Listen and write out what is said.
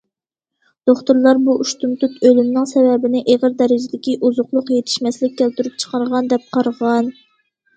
دوختۇرلار بۇ ئۇشتۇمتۇت ئۆلۈمنىڭ سەۋەبىنى ئېغىر دەرىجىدىكى ئوزۇقلۇق يېتىشمەسلىك كەلتۈرۈپ چىقارغان دەپ قارىغان.